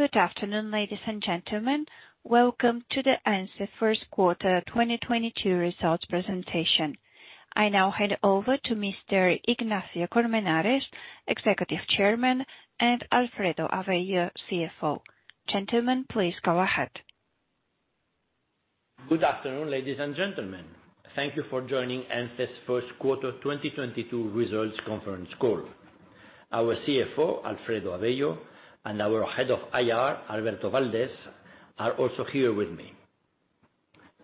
Good afternoon, ladies, and gentlemen. Welcome to the ENCE First Quarter 2022 Results Presentation. I now hand over to Mr. Ignacio de Colmenares, Executive Chairman, and Alfredo Avello, CFO. Gentlemen, please go ahead. Good afternoon, ladies, and gentlemen. Thank you for joining ENCE's First Quarter 2022 Results Conference Call. Our CFO, Alfredo Avello, and our Head of IR, Alberto Valdés, are also here with me.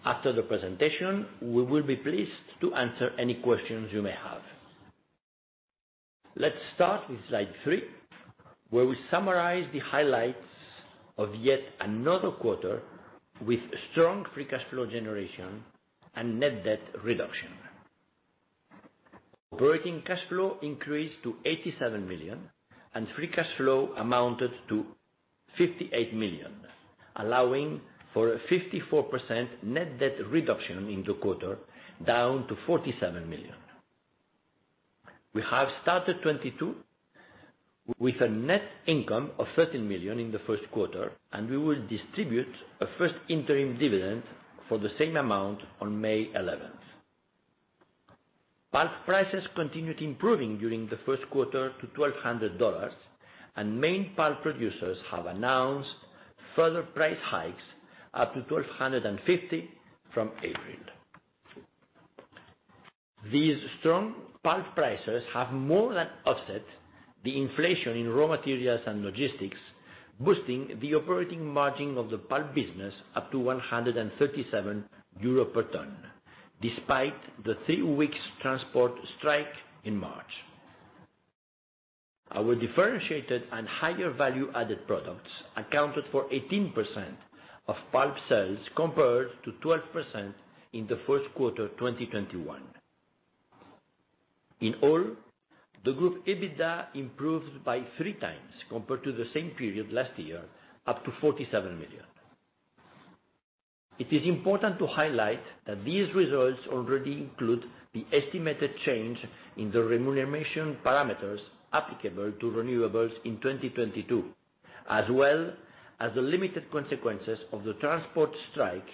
After the presentation, we will be pleased to answer any questions you may have. Let's start with slide three, where we summarize the highlights of yet another quarter with strong free cash flow generation and net debt reduction. Operating cash flow increased to 87 million, and free cash flow amounted to 58 million, allowing for a 54% net debt reduction in the quarter, down to 47 million. We have started 2022 with a net income of 13 million in the first quarter, and we will distribute a first interim dividend for the same amount on May 11th. Pulp prices continued improving during the first quarter to $1,200, and main pulp producers have announced further price hikes up to $1,250 from April. These strong pulp prices have more than offset the inflation in raw materials and logistics, boosting the operating margin of the pulp business up to 137 euro per ton, despite the three weeks transport strike in March. Our differentiated and higher value added products accounted for 18% of pulp sales, compared to 12% in the first quarter 2021. In all, the group EBITDA improved by 3x compared to the same period last year, up to 47 million. It is important to highlight that these results already include the estimated change in the remuneration parameters applicable to renewables in 2022, as well as the limited consequences of the transport strike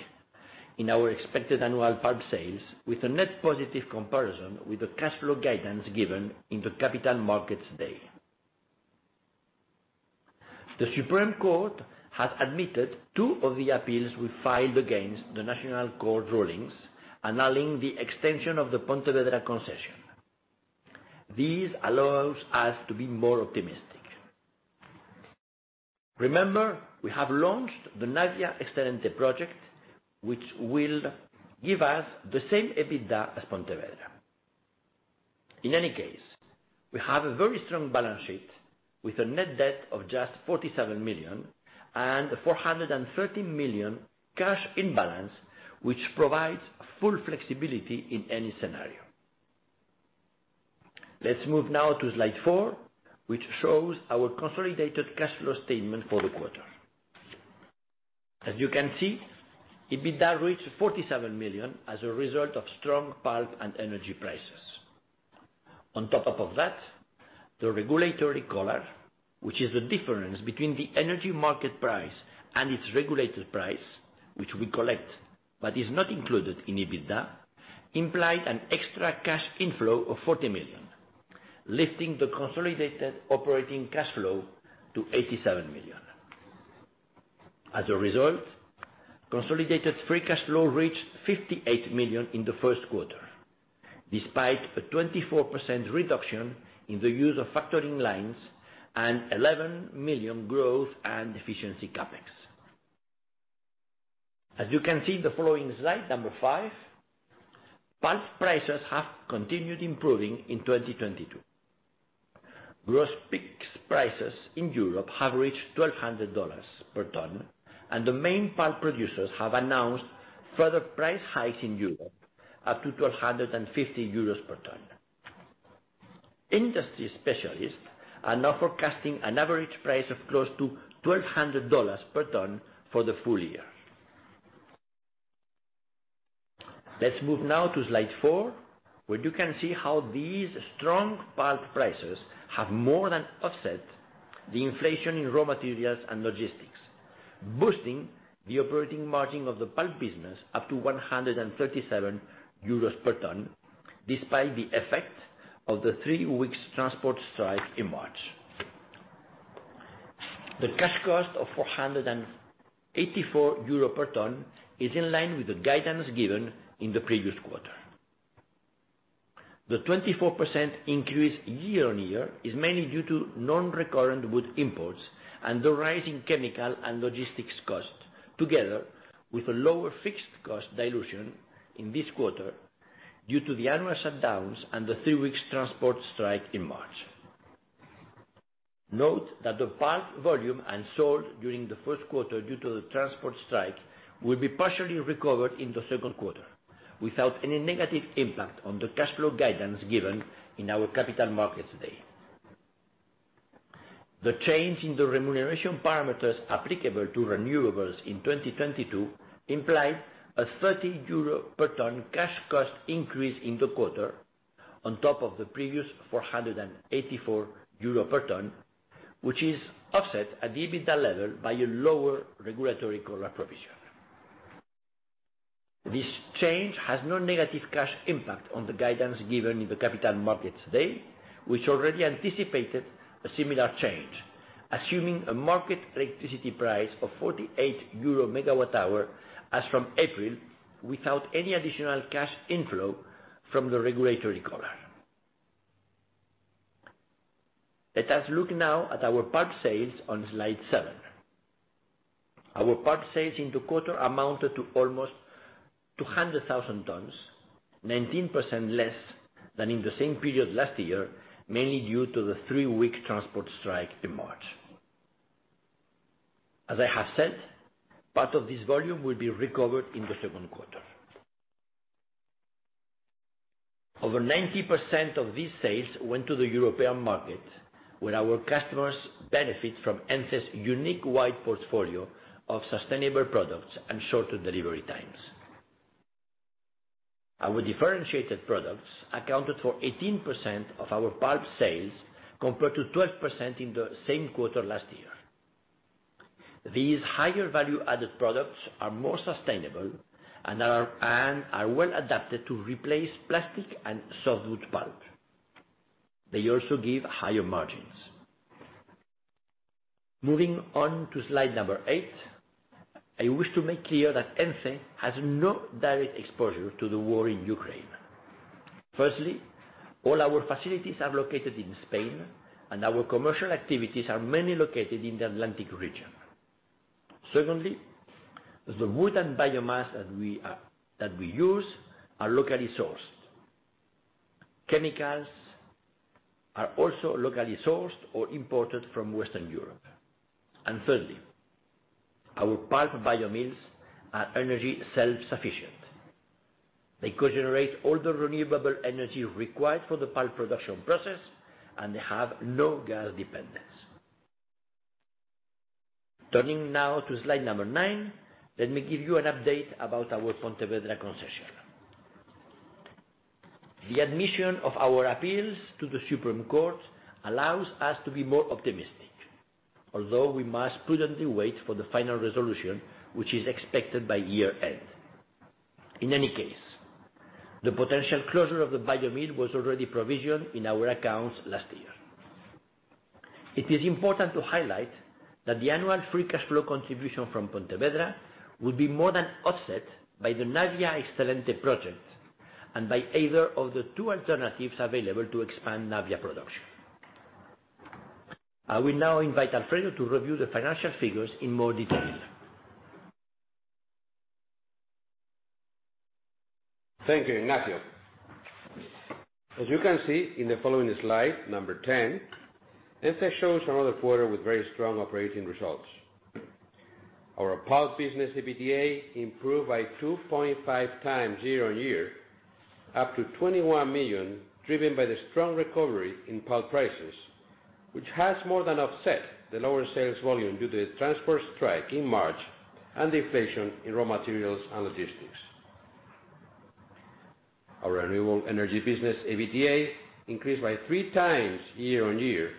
in our expected annual pulp sales, with a net positive comparison with the cash flow guidance given in the Capital Markets Day. The Supreme Court has admitted two of the appeals we filed against the national court rulings, annulling the extension of the Pontevedra concession. This allows us to be more optimistic. Remember, we have launched the Navia Excelente project, which will give us the same EBITDA as Pontevedra. In any case, we have a very strong balance sheet with a net debt of just 47 million and 413 million cash imbalance, which provides full flexibility in any scenario. Let's move now to slide four, which shows our consolidated cash flow statement for the quarter. As you can see, EBITDA reached 47 million as a result of strong pulp and energy prices. On top of that, the regulatory collar, which is the difference between the energy market price and its regulated price, which we collect but is not included in EBITDA, implied an extra cash inflow of 40 million, lifting the consolidated operating cash flow to 87 million. As a result, consolidated free cash flow reached 58 million in the first quarter, despite a 24% reduction in the use of factoring lines and 11 million growth and efficiency CapEx. As you can see in the following slide, number five, pulp prices have continued improving in 2022. Gross pulp prices in Europe have reached $1,200 per ton, and the main pulp producers have announced further price hikes in Europe up to 1,250 euros per ton. Industry specialists are now forecasting an average price of close to $1,200 per ton for the full year. Let's move now to slide four, where you can see how these strong pulp prices have more than offset the inflation in raw materials and logistics, boosting the operating margin of the pulp business up to 137 euros per ton, despite the effect of the three weeks transport strike in March. The cash cost of 484 euro per ton is in line with the guidance given in the previous quarter. The 24% increase year-on-year is mainly due to non-recurrent wood imports and the rising chemical and logistics costs, together with a lower fixed cost dilution in this quarter due to the annual shutdowns and the three weeks transport strike in March. Note that the pulp volume unsold during the first quarter due to the transport strike will be partially recovered in the second quarter without any negative impact on the cash flow guidance given in our Capital Markets Day. The change in the remuneration parameters applicable to renewables in 2022 implied a 30 euro per ton cash cost increase in the quarter. On top of the previous 484 euro per ton, which is offset at the EBITDA level by a lower regulatory collar provision. This change has no negative cash impact on the guidance given in the Capital Markets Day, which already anticipated a similar change, assuming a market electricity price of 48 euro/MWh as from April without any additional cash inflow from the regulatory collar. Let us look now at our pulp sales on slide seven. Our pulp sales in the quarter amounted to almost 200,000 tons, 19% less than in the same period last year, mainly due to the three week transport strike in March. As I have said, part of this volume will be recovered in the second quarter. Over 90% of these sales went to the European market, where our customers benefit from ENCE's unique wide portfolio of sustainable products and shorter delivery times. Our differentiated products accounted for 18% of our pulp sales, compared to 12% in the same quarter last year. These higher value-added products are more sustainable and are well adapted to replace plastic and softwood pulp. They also give higher margins. Moving on to slide number eight, I wish to make clear that ENCE has no direct exposure to the war in Ukraine. Firstly, all our facilities are located in Spain, and our commercial activities are mainly located in the Atlantic region. Secondly, the wood and biomass that we use are locally sourced. Chemicals are also locally sourced or imported from Western Europe. Thirdly, our pulp biomills are energy self-sufficient. They co-generate all the renewable energy required for the pulp production process, and they have no gas dependence. Turning now to slide number nine, let me give you an update about our Pontevedra concession. The admission of our appeals to the Supreme Court allows us to be more optimistic, although we must prudently wait for the final resolution, which is expected by year-end. In any case, the potential closure of the biomill was already provisioned in our accounts last year. It is important to highlight that the annual free cash flow contribution from Pontevedra would be more than offset by the Navia Excelente project and by either of the two alternatives available to expand Navia production. I will now invite Alfredo to review the financial figures in more detail. Thank you, Ignacio. As you can see in the following slide, number 10, ENCE shows another quarter with very strong operating results. Our Pulp business EBITDA improved by 2.5x year-on-year, up to 21 million, driven by the strong recovery in pulp prices, which has more than offset the lower sales volume due to the transport strike in March and the inflation in raw materials and logistics. Our renewable energy business EBITDA increased by 3x year-on-year,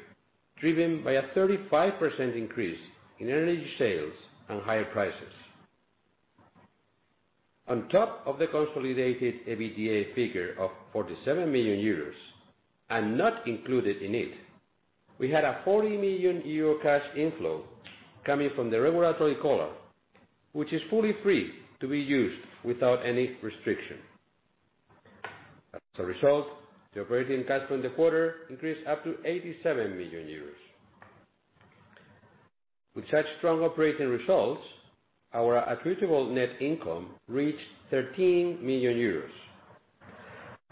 driven by a 35% increase in energy sales and higher prices. On top of the consolidated EBITDA figure of 47 million euros, and not included in it, we had a 40 million euro cash inflow coming from the regulatory collar, which is fully free to be used without any restriction. As a result, the operating cash from the quarter increased up to 87 million euros. With such strong operating results, our attributable net income reached 13 million euros.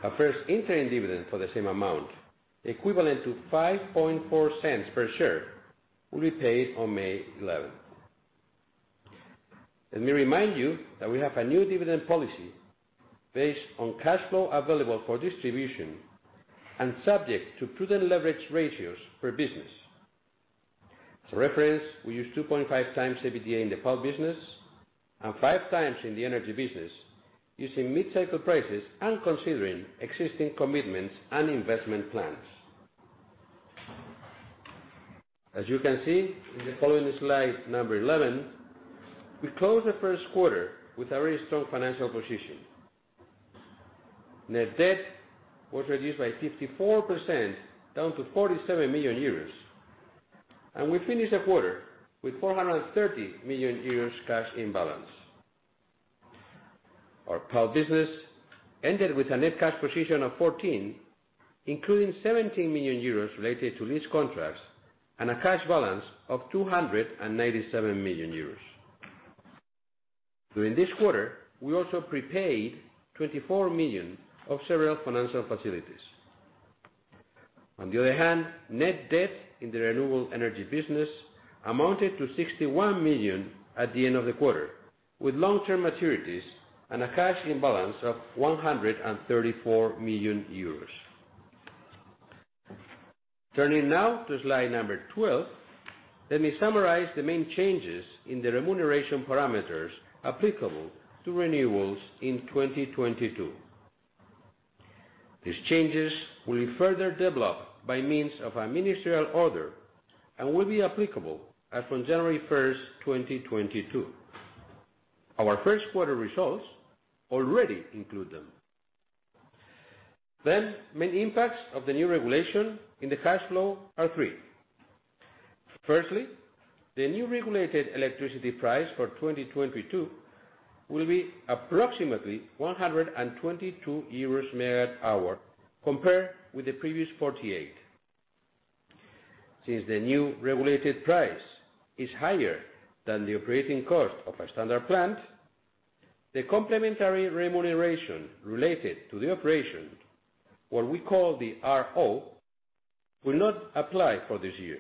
A first interim dividend for the same amount, equivalent to 0.054 per share, will be paid on May 11. Let me remind you that we have a new dividend policy based on cash flow available for distribution and subject to prudent leverage ratios per business. As a reference, we use 2.5x EBITDA in the pulp business and 5x in the energy business, using mid-cycle prices and considering existing commitments and investment plans. As you can see in the following slide, number 11, we closed the first quarter with a very strong financial position. Net debt was reduced by 54%, down to 47 million euros, and we finished the quarter with 430 million euros cash on balance. Our pulp business ended with a net cash position of 14 million, including 17 million euros related to lease contracts and a cash balance of 297 million euros. During this quarter, we also prepaid 24 million of several financial facilities. On the other hand, net debt in the renewable energy business amounted to 61 million at the end of the quarter, with long-term maturities and a cash balance of 134 million euros. Turning now to slide 12, let me summarize the main changes in the remuneration parameters applicable to renewables in 2022. These changes will be further developed by means of a ministerial order, and will be applicable as from January 1st, 2022. Our first quarter results already include them. Main impacts of the new regulation in the cash flow are three. Firstly, the new regulated electricity price for 2022 will be approximately 122 euros/MWh, compared with the previous 48. Since the new regulated price is higher than the operating cost of our standard plant, the complementary remuneration related to the operation, what we call the RO, will not apply for this year.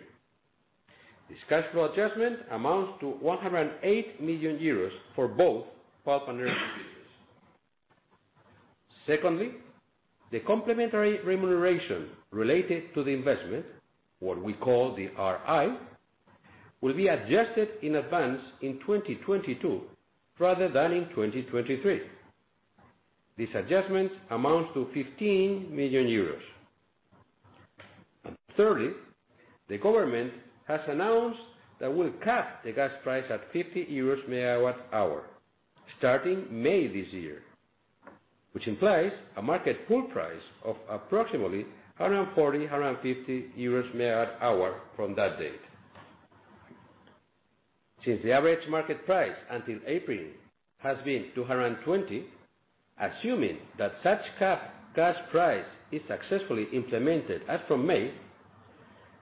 This cash flow adjustment amounts to 108 million euros for both pulp and energy business. Secondly, the complementary remuneration related to the investment, what we call the RI, will be adjusted in advance in 2022 rather than in 2023. This adjustment amounts to 15 million euros. Thirdly, the government has announced that it will cap the gas price at 50 euros/MWh, starting May this year, which implies a market pool price of approximately 140-150 euros/MWh from that date. Since the average market price until April has been 220, assuming that such gas cap price is successfully implemented as from May,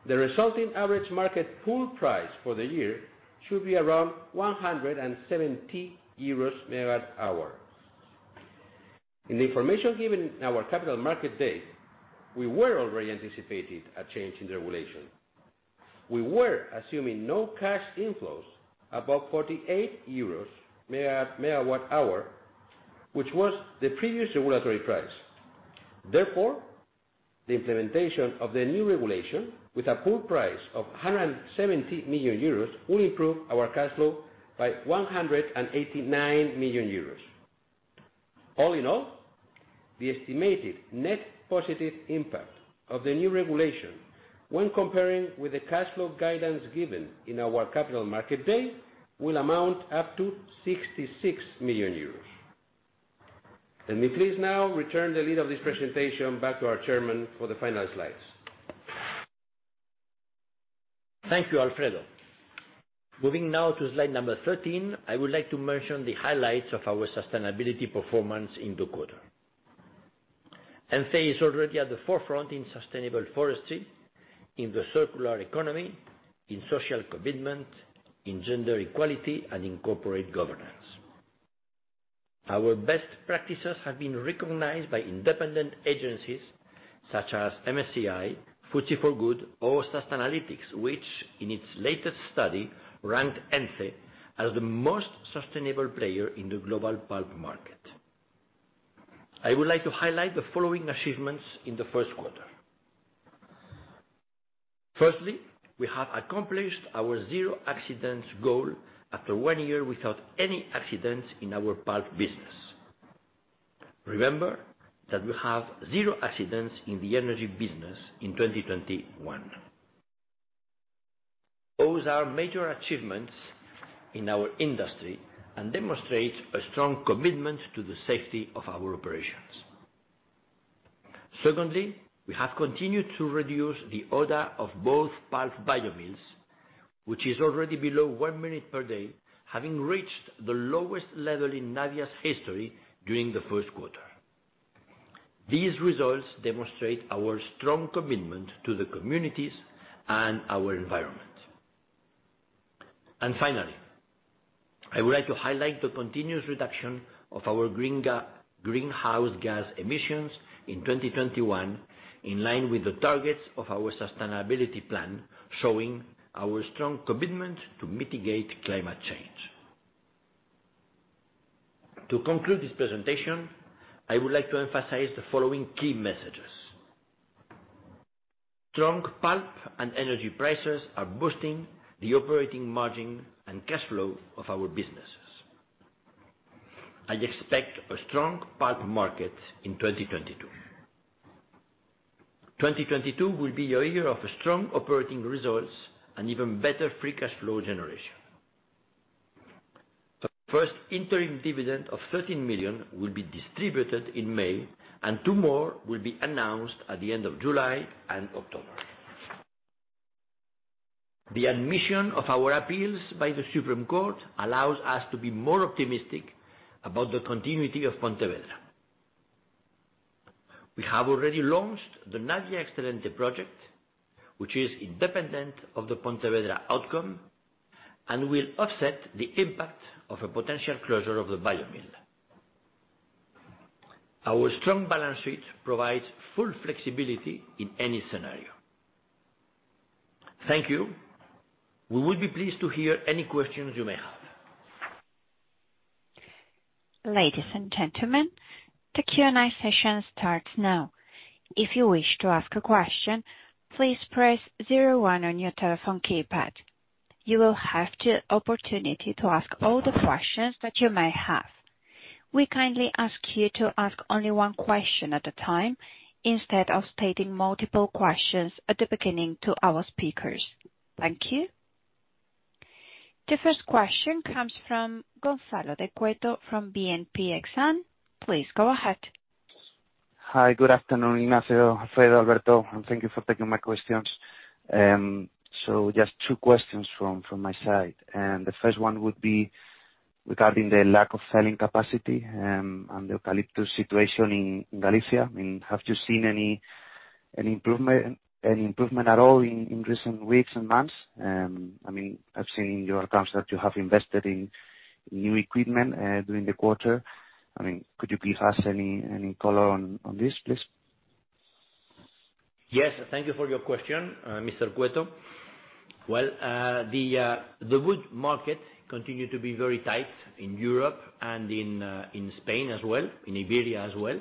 the resulting average market pool price for the year should be around 170 EUR/MWh. In the information given in our Capital Markets Day, we were already anticipating a change in the regulation. We were assuming no cash inflows above 48 EUR/MWh, which was the previous regulatory price. Therefore, the implementation of the new regulation with a pool price of 170 EUR/MWh will improve our cash flow by 189 million euros. All in all, the estimated net positive impact of the new regulation when comparing with the cash flow guidance given in our Capital Markets Day will amount up to 66 million euros. Let me please now return the lead of this presentation back to our Chairman for the final slides. Thank you, Alfredo. Moving now to slide number 13, I would like to mention the highlights of our sustainability performance in the quarter. ENCE is already at the forefront in sustainable forestry, in the circular economy, in social commitment, in gender equality, and in corporate governance. Our best practices have been recognized by independent agencies such as MSCI, FTSE4Good, or Sustainalytics, which, in its latest study, ranked ENCE as the most sustainable player in the global pulp market. I would like to highlight the following achievements in the first quarter. Firstly, we have accomplished our zero accidents goal after one year without any accidents in our pulp business. Remember that we have zero accidents in the energy business in 2021. Those are major achievements in our industry and demonstrates a strong commitment to the safety of our operations. Secondly, we have continued to reduce the odor of both pulp biomills, which is already below one minute per day, having reached the lowest level in Navia's history during the first quarter. These results demonstrate our strong commitment to the communities and our environment. Finally, I would like to highlight the continuous reduction of our greenhouse gas emissions in 2021, in line with the targets of our sustainability plan, showing our strong commitment to mitigate climate change. To conclude this presentation, I would like to emphasize the following key messages. Strong pulp and energy prices are boosting the operating margin and cash flow of our businesses. I expect a strong pulp market in 2022. 2022 will be a year of strong operating results and even better free cash flow generation. The first interim dividend of 13 million will be distributed in May, and two more will be announced at the end of July and October. The admission of our appeals by the Supreme Court allows us to be more optimistic about the continuity of Pontevedra. We have already launched the Navia Excelente project, which is independent of the Pontevedra outcome and will offset the impact of a potential closure of the biomill. Our strong balance sheet provides full flexibility in any scenario. Thank you. We would be pleased to hear any questions you may have. Ladies, and gentlemen, the Q&A session starts now. If you wish to ask a question, please press zero one on your telephone keypad. You will have the opportunity to ask all the questions that you may have. We kindly ask you to ask only one question at a time instead of stating multiple questions at the beginning to our speakers. Thank you. The first question comes from Gonzalo de Cueto from BNP Paribas Exane. Please go ahead. Hi. Good afternoon, Ignacio, Alfredo, Alberto, and thank you for taking my questions. So just two questions from my side. The first one would be regarding the lack of selling capacity and the eucalyptus situation in Galicia. I mean, have you seen any improvement at all in recent weeks and months? I mean, I've seen in your accounts that you have invested in new equipment during the quarter. I mean, could you give us any color on this, please? Yes, thank you for your question, Mr. de Cueto. Well, the wood market continued to be very tight in Europe and in Spain as well, in Iberia as well.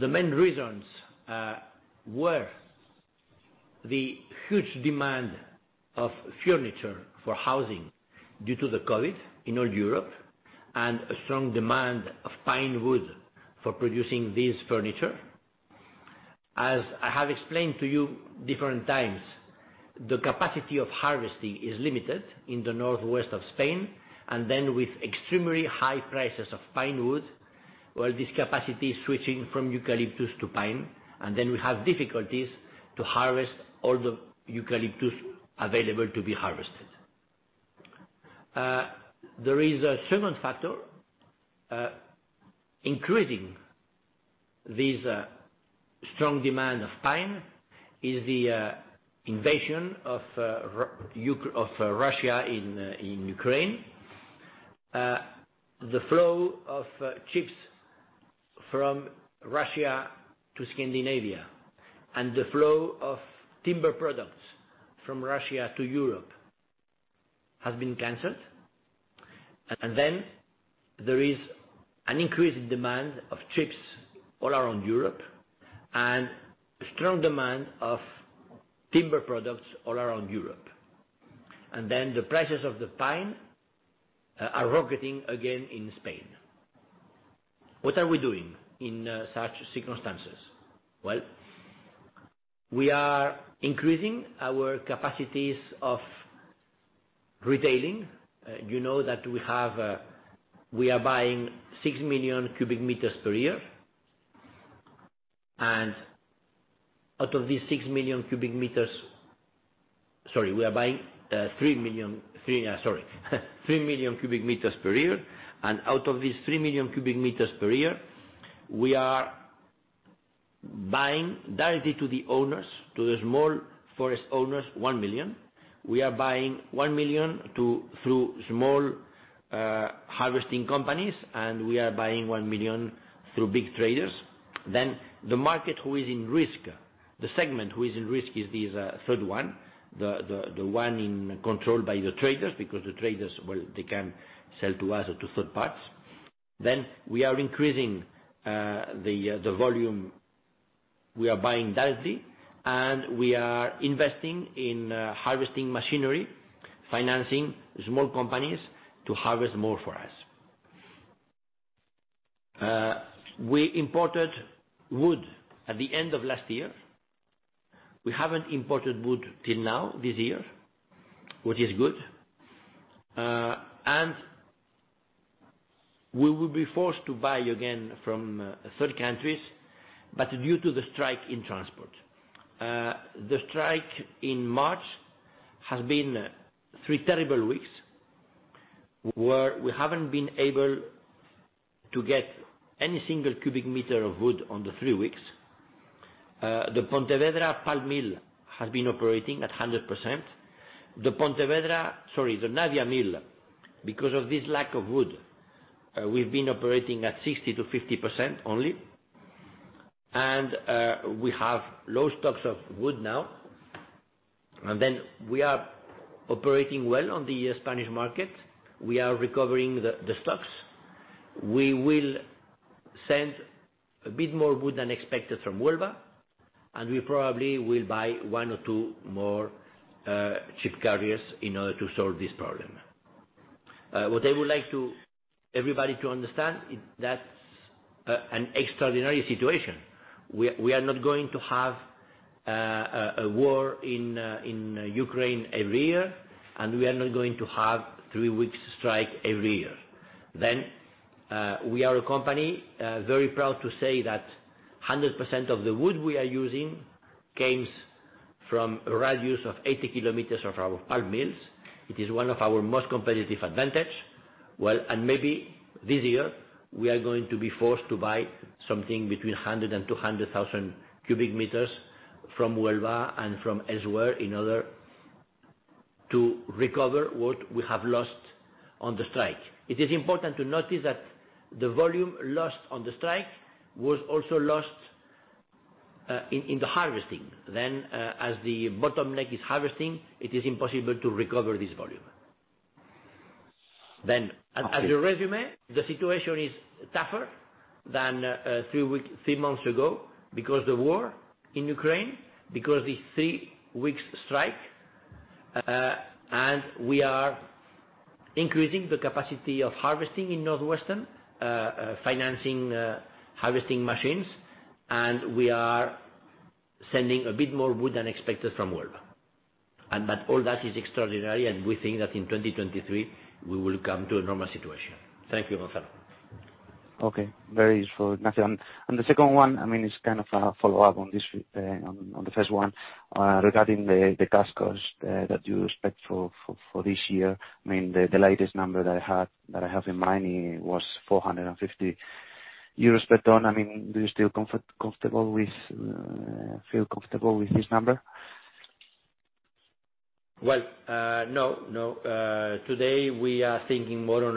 The main reasons were the huge demand of furniture for housing due to the COVID in all Europe, and a strong demand of pine wood for producing this furniture. As I have explained to you different times, the capacity of harvesting is limited in the northwest of Spain, and then with extremely high prices of pine wood, well, this capacity is switching from eucalyptus to pine, and then we have difficulties to harvest all the eucalyptus available to be harvested. There is a second factor, increasing this strong demand of pine is the invasion of Russia in Ukraine. The flow of chips from Russia to Scandinavia and the flow of timber products from Russia to Europe has been canceled. There is an increase in demand of chips all around Europe and strong demand of timber products all around Europe. The prices of the pine are rocketing again in Spain. What are we doing in such circumstances? Well, we are increasing our capacities of retailing. You know we are buying 3 million m³ per year. Out of these 3 million m³ per year, we are buying directly to the owners, to the small forest owners, 1 million. We are buying 1 million tons through small harvesting companies, and we are buying 1 million tons through big traders. The market who is at risk, the segment who is at risk is this third one, the one controlled by the traders because the traders, well, they can sell to us or to third parties. We are increasing the volume we are buying directly, and we are investing in harvesting machinery, financing small companies to harvest more for us. We imported wood at the end of last year. We haven't imported wood till now this year, which is good. We will be forced to buy again from third countries, but due to the strike in transport. The strike in March has been three terrible weeks, where we haven't been able to get any single cubic meter of wood in the three weeks. The Pontevedra pulp mill has been operating at 100%. Sorry, the Navia mill, because of this lack of wood, we've been operating at 60%-50% only. We have low stocks of wood now. Then we are operating well on the Spanish market. We are recovering the stocks. We will send a bit more wood than expected from Huelva, and we probably will buy one or two more chip carriers in order to solve this problem. What I would like everybody to understand is that's an extraordinary situation. We are not going to have a war in Ukraine every year, and we are not going to have a three week strike every year. We are a company very proud to say that 100% of the wood we are using comes from radius of 80 km of our pulp mills. It is one of our most competitive advantage. Well, and maybe this year we are going to be forced to buy something between 100,000 m³ and 200,000 m³ from Huelva and from elsewhere in order to recover what we have lost on the strike. It is important to notice that the volume lost on the strike was also lost in the harvesting. As the bottleneck is harvesting, it is impossible to recover this volume. As a résumé, the situation is tougher than three weeks, three months ago because the war in Ukraine, because the three-week strike, and we are increasing the capacity of harvesting in northwestern, financing harvesting machines, and we are sending a bit more wood than expected from Huelva. But all that is extraordinary, and we think that in 2023 we will come to a normal situation. Thank you, Gonzalo. Okay. Very useful. Nothing. The second one, I mean, it's kind of a follow-up on this, on the first one, regarding the cash costs that you expect for this year. I mean, the latest number that I have in mind, it was 450 euros per ton. I mean, do you still feel comfortable with this number? No, no. Today, we are thinking more on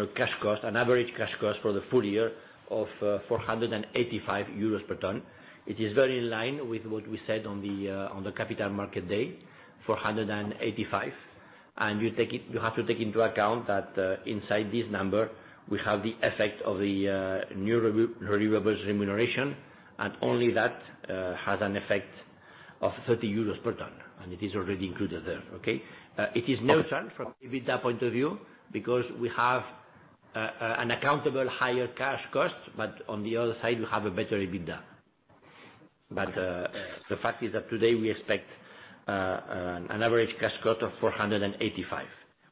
a cash cost, an average cash cost for the full year of 485 euros per ton. It is very in line with what we said on the Capital Markets Day, 485. You have to take into account that inside this number, we have the effect of the new renewables remuneration. Only that has an effect of 30 euros per ton, and it is already included there, okay? It is neutral from an EBITDA point of view because we have an actual higher cash cost, but on the other side, we have a better EBITDA. The fact is that today we expect an average cash cost of 485.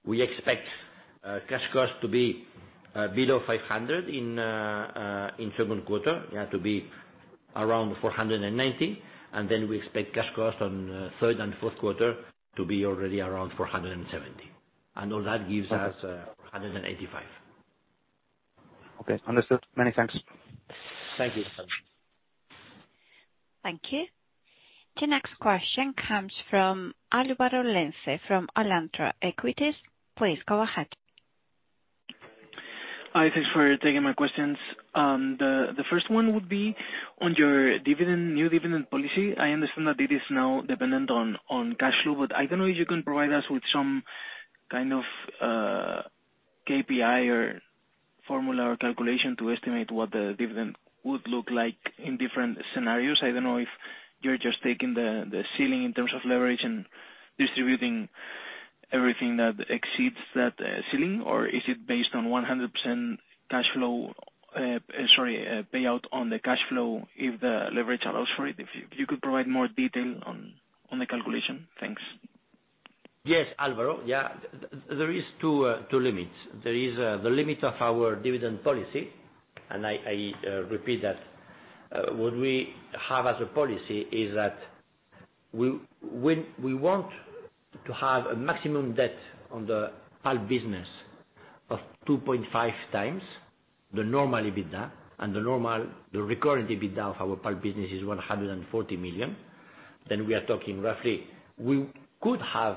We expect cash costs to be below 500 in second quarter, yeah, to be around 490. Then we expect cash costs on third and fourth quarter to be already around 470. All that gives us Okay. -485. Okay. Understood. Many thanks. Thank you. Thank you. The next question comes from Álvaro Lenze, from Alantra Equities. Please go ahead. Hi. Thanks for taking my questions. The first one would be on your new dividend policy. I understand that it is now dependent on cash flow. I don't know if you can provide us with some kind of KPI or formula or calculation to estimate what the dividend would look like in different scenarios. I don't know if you're just taking the ceiling in terms of leverage and distributing everything that exceeds that ceiling, or is it based on 100% cash flow payout on the cash flow if the leverage allows for it. If you could provide more detail on the calculation. Thanks. Yes, Álvaro. Yeah. There is two limits. There is the limit of our dividend policy. I repeat that. What we have as a policy is that we, when we want to have a maximum debt on the pulp business of 2.5x the normal EBITDA and the normal, the recurrent EBITDA of our pulp business is 140 million. Then we are talking roughly, we could have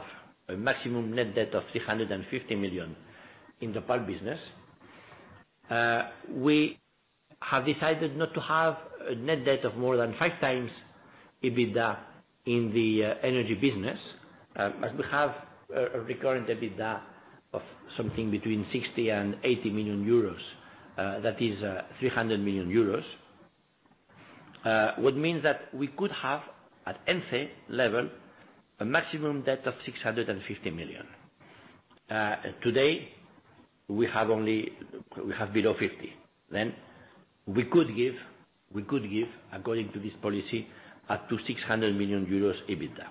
a maximum net debt of 350 million in the pulp business. We have decided not to have a net debt of more than 5x EBITDA in the energy business. As we have a recurrent EBITDA of something between 60 million and 80 million euros, that is 300 million euros. That means we could have, at ENCE level, a maximum debt of 650 million. Today, we have below 50 million. We could give, according to this policy, up to 600 million euros EBITDA.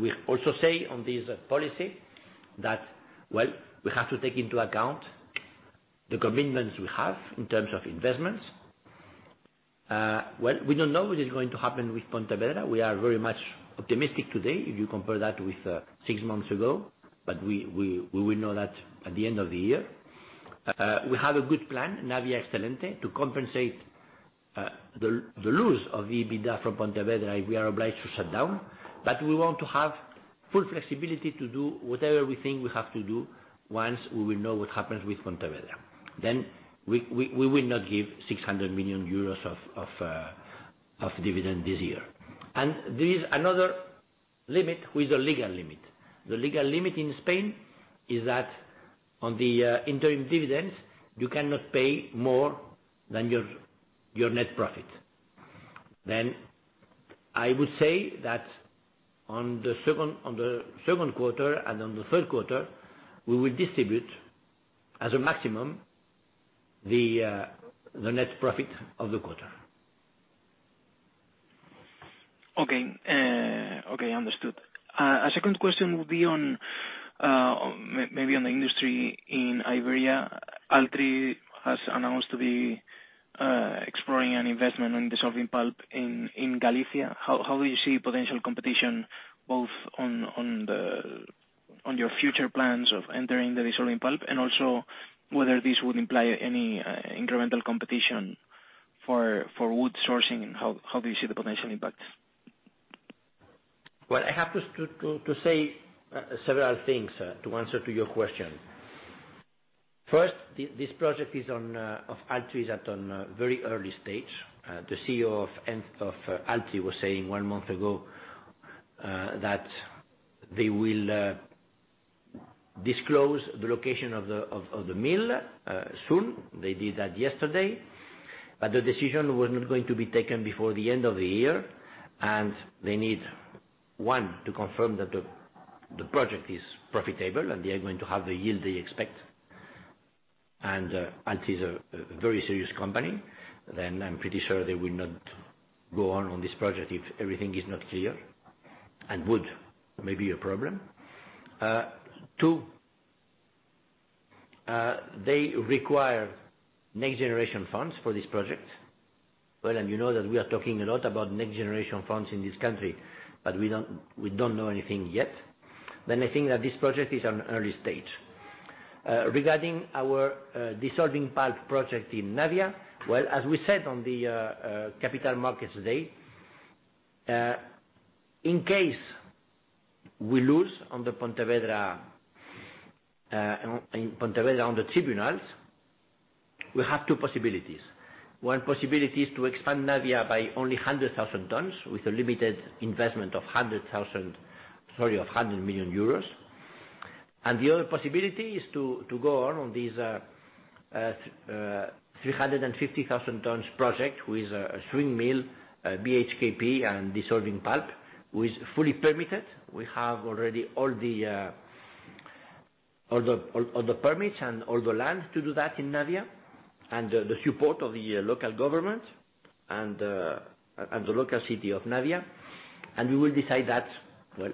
We also say on this policy that, well, we have to take into account the commitments we have in terms of investments. Well, we don't know what is going to happen with Pontevedra. We are very much optimistic today if you compare that with six months ago. We will know that at the end of the year. We have a good plan, Navia Excelente, to compensate the loss of the EBITDA from Pontevedra if we are obliged to shut down. We want to have full flexibility to do whatever we think we have to do once we will know what happens with Pontevedra. We will not give 600 million euros of dividend this year. There is another limit with a legal limit. The legal limit in Spain is that on the interim dividends, you cannot pay more than your net profit. I would say that on the second quarter and on the third quarter, we will distribute as a maximum the net profit of the quarter. Okay. Okay. Understood. A second question would be on maybe on the industry in Iberia. Altri has announced to be exploring an investment in dissolving pulp in Galicia. How do you see potential competition, both on your future plans of entering the dissolving pulp and also whether this would imply any incremental competition for wood sourcing, and how do you see the potential impact? Well, I have to say several things to answer to your question. First, this project of Altri is at a very early stage. The CEO of Altri was saying one month ago that they will disclose the location of the mill soon. They did that yesterday. The decision was not going to be taken before the end of the year, and they need one to confirm that the project is profitable and they are going to have the yield they expect. Altri is a very serious company, then I'm pretty sure they will not go on this project if everything is not clear and it may be a problem. Two, they require Next Generation Funds for this project. You know that we are talking a lot about Next Generation Funds in this country, but we don't know anything yet. I think that this project is on early stage. Regarding our dissolving pulp project in Navia, as we said on the Capital Markets Day, in case we lose in Pontevedra on the tribunals, we have two possibilities. One possibility is to expand Navia by only 100,000 tons with a limited investment of 100,000, sorry, of 100 million euros. The other possibility is to go on these 350,000 tons project with a swing mill, BHKP and dissolving pulp, who is fully permitted. We have already all the permits and all the land to do that in Navia, and the support of the local government and the local city of Navia. We will decide that, well,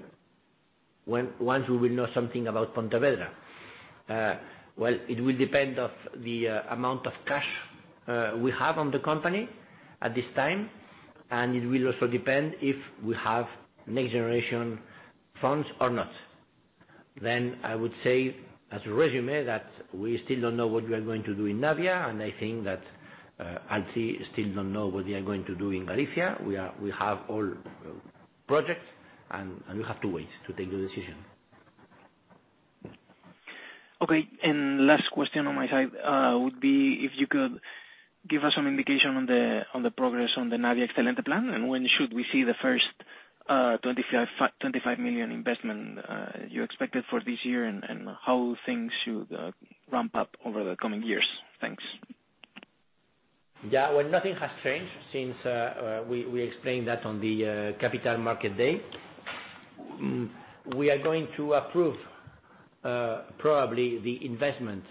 once we will know something about Pontevedra. Well, it will depend on the amount of cash we have in the company at this time, and it will also depend if we have Next Generation funds or not. I would say in résumé that we still don't know what we are going to do in Navia, and I think that Altri still don't know what they are going to do in Galicia. We have all projects and we have to wait to take the decision. Okay. Last question on my side would be if you could give us some indication on the progress on the Navia Excelente plan, and when should we see the first 25 million investment you expected for this year? How things should ramp up over the coming years? Thanks. Yeah. Well, nothing has changed since we explained that on the Capital Markets Day. We are going to approve probably the investment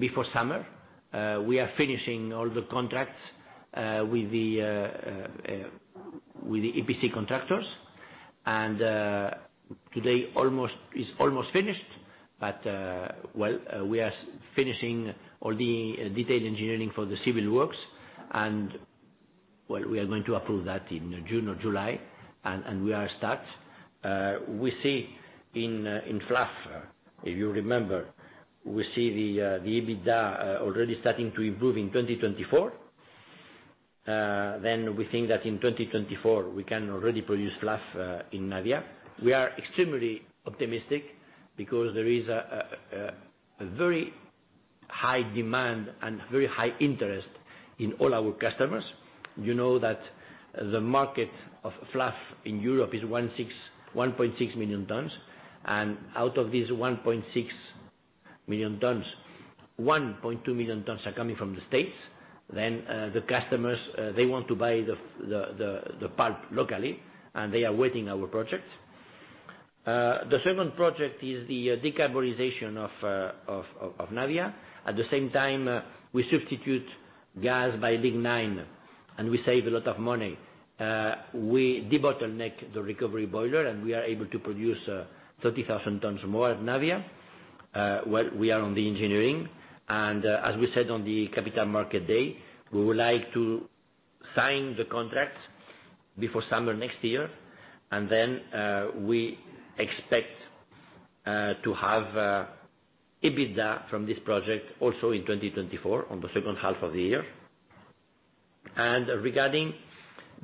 before summer. We are finishing all the contracts with the EPC contractors. Today it is almost finished. Well, we are finishing all the detailed engineering for the civil works. Well, we are going to approve that in June or July, and we are starting. We see in fluff, if you remember, we see the EBITDA already starting to improve in 2024. We think that in 2024, we can already produce fluff in Navia. We are extremely optimistic because there is a very high demand and very high interest in all our customers. You know that the market of fluff in Europe is 1.6 million tons, and out of these 1.6 million tons, 1.2 million tons are coming from the States. The customers, they want to buy the pulp locally, and they are waiting our project. The second project is the decarbonization of Navia. At the same time, we substitute gas by lignin, and we save a lot of money. We debottleneck the recovery boiler, and we are able to produce 30,000 tons more at Navia, while we are on the engineering. As we said on the Capital Markets Day, we would like to sign the contract before summer next year. Then we expect to have EBITDA from this project also in 2024 in the second half of the year. Regarding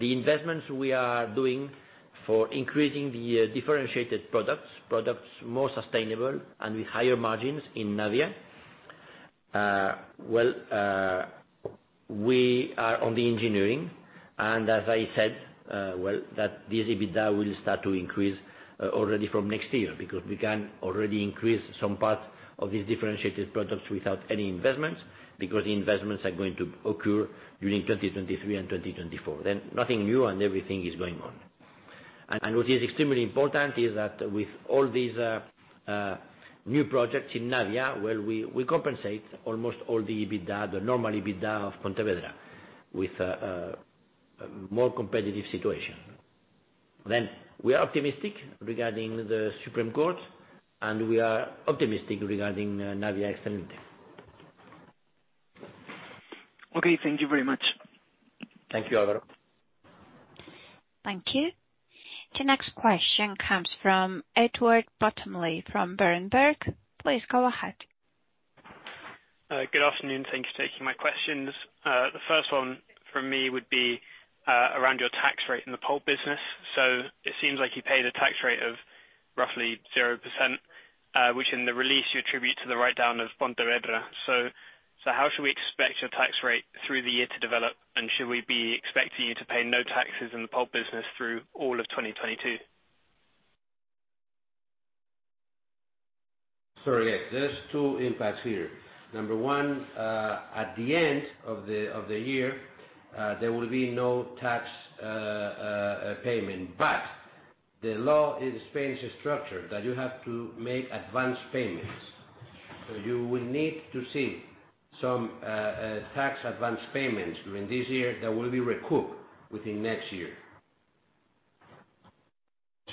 the investments we are doing for increasing the differentiated products more sustainable and with higher margins in Navia, well, we are on the engineering. As I said, well, this EBITDA will start to increase already from next year. Because we can already increase some part of these differentiated products without any investments, because the investments are going to occur during 2023 and 2024. Nothing new and everything is going on. What is extremely important is that with all these new projects in Navia, well, we compensate almost all the EBITDA, the normal EBITDA of Pontevedra with a more competitive situation. We are optimistic regarding the Supreme Court, and we are optimistic regarding Navia Excelente. Okay. Thank you very much. Thank you, Álvaro. Thank you. The next question comes from Edward Bottomley from Berenberg. Please go ahead. Good afternoon. Thank you for taking my questions. The first one from me would be around your tax rate in the pulp business. It seems like you paid a tax rate of roughly 0%, which in the release, you attribute to the write-down of Pontevedra. How should we expect your tax rate through the year to develop? Should we be expecting you to pay no taxes in the pulp business through all of 2022? Sorry, yeah. There's two impacts here. Number one, at the end of the year, there will be no tax payment. The law in Spain is structured that you have to make advance payments. You will need to see some tax advance payments during this year that will be recouped within next year.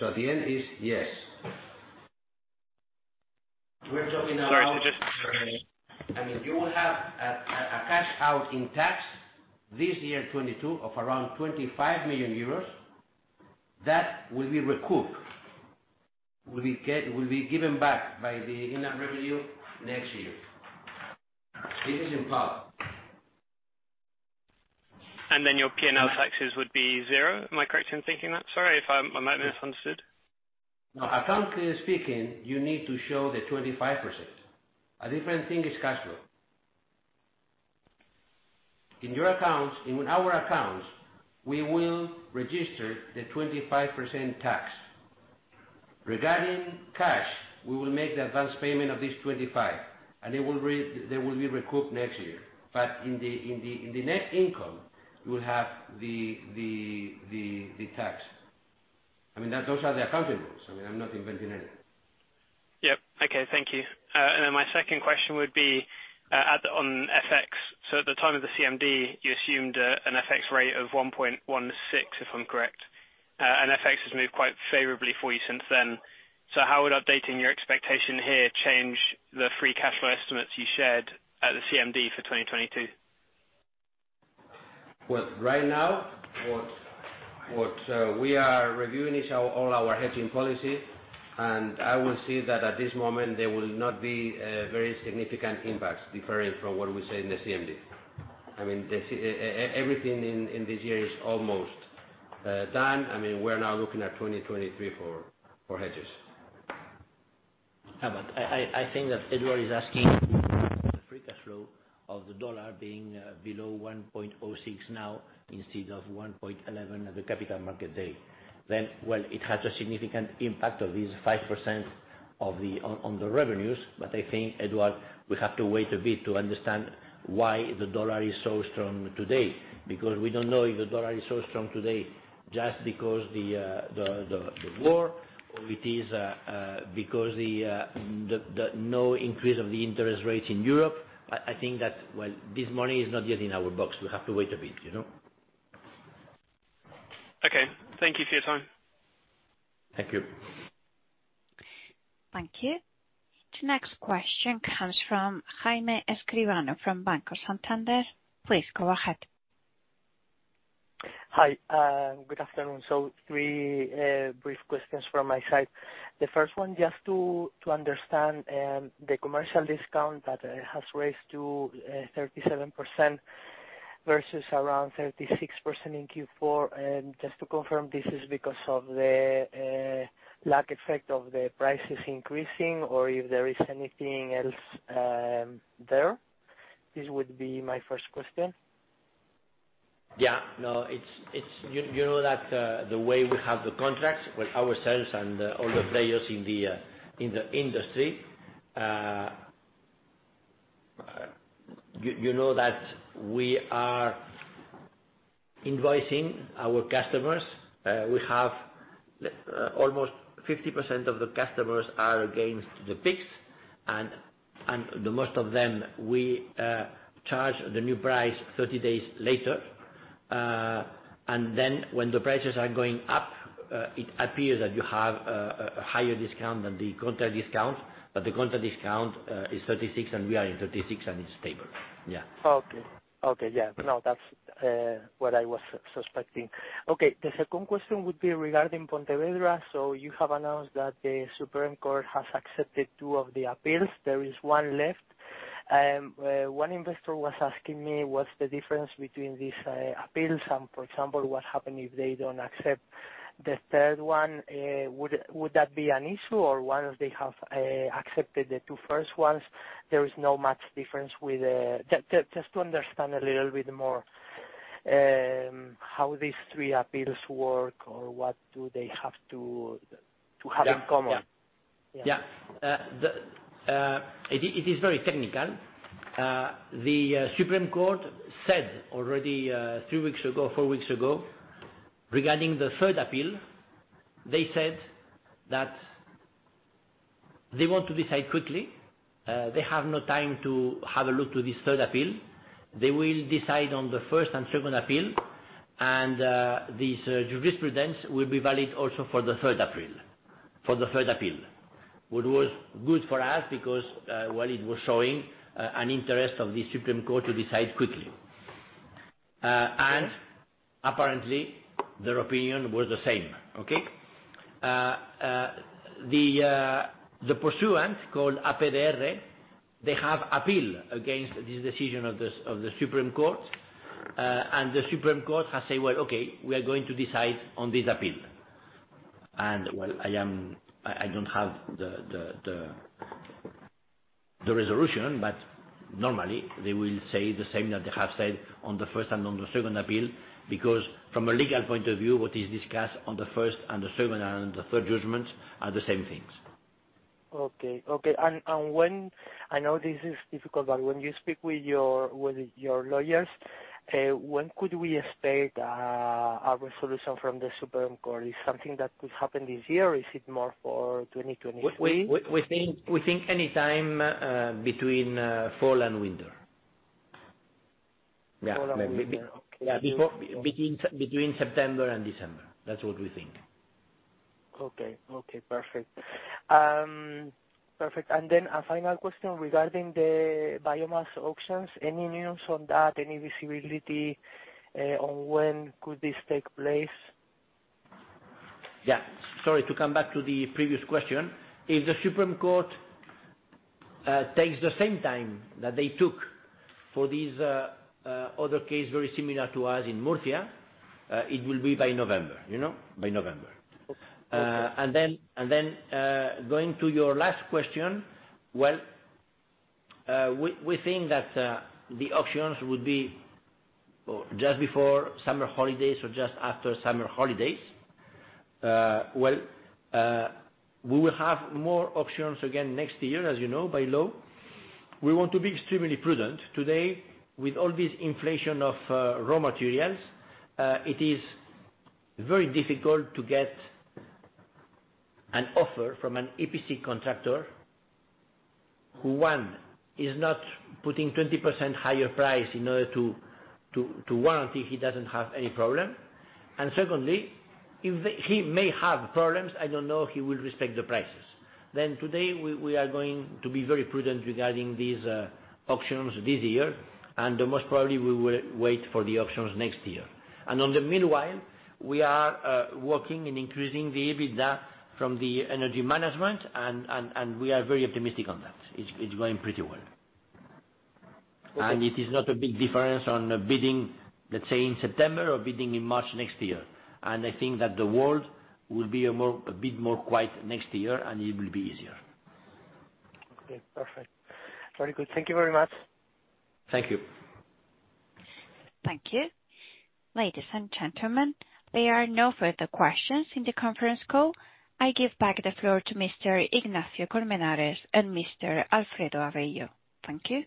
At the end is yes. We're talking about. Sorry. I mean, you will have a cash out in tax this year, 2022, of around 25 million euros. That will be recouped. It will be given back by the inland revenue next year. This is in pulp. Your P&L taxes would be zero. Am I correct in thinking that? Sorry if I might have misunderstood. No. Accounting speaking, you need to show the 25%. A different thing is cash flow. In your accounts, in our accounts, we will register the 25% tax. Regarding cash, we will make the advance payment of this 25%, and they will be recouped next year. In the net income, you will have the tax. I mean, those are the accounting rules. I mean, I'm not inventing any. Yep. Okay, thank you. My second question would be on FX. At the time of the CMD, you assumed an FX rate of 1.16, if I'm correct. FX has moved quite favorably for you since then. How would updating your expectation here change the free cash flow estimates you shared at the CMD for 2022? Well, right now, what we are reviewing is all our hedging policy, and I will say that at this moment, there will not be very significant impacts differing from what we say in the CMD. I mean, everything in this year is almost done. I mean, we're now looking at 2023 for hedges. I think that Edward is asking about the free cash flow of the dollar being below 1.06 now instead of 1.11 at the Capital Markets Day. It has a significant impact of this 5% on the revenues, but I think, Edward, we have to wait a bit to understand why the dollar is so strong today. Because we don't know if the dollar is so strong today just because the war, or it is because the no increase of the interest rates in Europe. I think that well, this money is not yet in our books. We have to wait a bit, you know. Okay. Thank you for your time. Thank you. Thank you. The next question comes from Jaime Escribano from Banco Santander. Please go ahead. Hi, good afternoon. Three brief questions from my side. The first one, just to understand the commercial discount that has raised to 37% versus around 36% in Q4. Just to confirm, this is because of the lag effect of the prices increasing or if there is anything else there? This would be my first question. Yeah. No, it's you know that the way we have the contracts with ourselves and all the players in the industry you know that we are invoicing our customers. We have almost 50% of the customers are against the fixed and the most of them we charge the new price 30 days later. Then when the prices are going up, it appears that you have a higher discount than the contract discount. The contract discount is 36%, and we are in 36%, and it's stable. Yeah. Okay. Yeah. No, that's what I was suspecting. The second question would be regarding Pontevedra. You have announced that the Supreme Court has accepted two of the appeals. There is one left. One investor was asking me what's the difference between these appeals and, for example, what happen if they don't accept the third one. Would that be an issue? Or once they have accepted the two first ones, there is no much difference with the just to understand a little bit more how these three appeals work or what do they have to have in common. Yeah. Yeah. Yeah. It is very technical. The Supreme Court said already three weeks ago, four weeks ago, regarding the third appeal, they said that they want to decide quickly. They have no time to have a look to this third appeal. They will decide on the first and second appeal, and this jurisprudence will be valid also for the third appeal. What was good for us because well, it was showing an interest of the Supreme Court to decide quickly. Apparently their opinion was the same. Okay? The pursuant called APDR, they have appeal against this decision of the Supreme Court. The Supreme Court has said, "Well, okay, we are going to decide on this appeal." Well, I don't have the resolution, but normally they will say the same that they have said on the first and on the second appeal, because from a legal point of view, what is discussed on the first and on the second and the third judgments are the same things. I know this is difficult, but when you speak with your lawyers, when could we expect a resolution from the Supreme Court? Is something that could happen this year or is it more for 2023? We think any time between fall and winter. Yeah. Fall and winter. Okay. Yeah. Between September and December. That's what we think. Okay, perfect. A final question regarding the biomass auctions. Any news on that? Any visibility, on when could this take place? Yeah. Sorry to come back to the previous question. If the Supreme Court takes the same time that they took for these other case very similar to us in Murcia, it will be by November. You know? By November. Okay. Going to your last question. We think that the auctions will be just before summer holidays or just after summer holidays. We will have more auctions again next year, as you know, by law. We want to be extremely prudent today with all this inflation of raw materials. It is very difficult to get an offer from an EPC contractor who, one, is not putting 20% higher price in order to guarantee he doesn't have any problem. And secondly, if he may have problems, I don't know, he will respect the prices. Today we are going to be very prudent regarding these auctions this year, and most probably we will wait for the auctions next year. In the meanwhile, we are working on increasing the EBITDA from the energy management and we are very optimistic on that. It's going pretty well. Okay. It is not a big difference on bidding, let's say in September or bidding in March next year. I think that the world will be a bit more quiet next year, and it will be easier. Okay, perfect. Very good. Thank you very much. Thank you. Thank you. Ladies, and gentlemen, there are no further questions in the conference call. I give back the floor to Mr. Ignacio de Colmenares and Mr. Alfredo Avello. Thank you.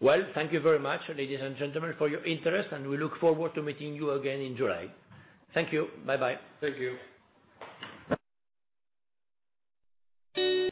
Well, thank you very much, ladies, and gentlemen, for your interest, and we look forward to meeting you again in July. Thank you. Bye-bye. Thank you.